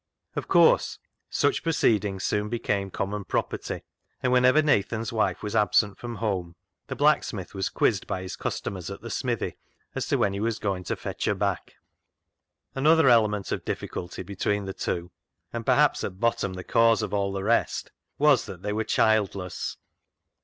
Of course such proceedings soon became common property, and whenever Nathan's wife was absent from home, the blacksmith was quizzed by his customers at the smithy as to when he was going to fetch her back. Another element of difficulty between the two and, perhaps at bottom the cause of all the rest, was that they were childless.